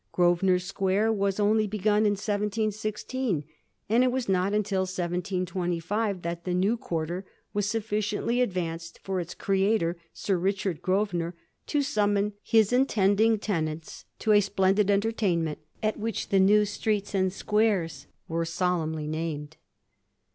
Grosvenor Square was only begun in 1716, and it was not until 1725 that the new quarter was sufficiently advanced for its creator, Sir Richard Grosvenor, to summon his in tending tenants to a ^ splendid entertainment,' at which the new streets and squares were solemnly named.